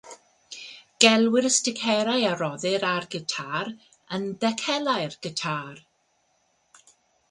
Gelwir sticeri a roddir ar gitâr yn ddecalau gitâr.